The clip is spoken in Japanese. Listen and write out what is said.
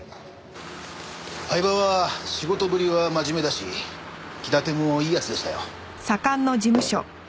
饗庭は仕事ぶりは真面目だし気立てもいい奴でしたよ。